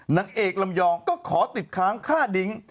นางเอกลำยองก็ขอติดค้างฆ่าดิ้ง